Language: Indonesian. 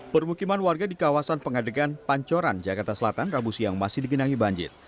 permukiman warga di kawasan pengadegan pancoran jakarta selatan rabu siang masih digenangi banjir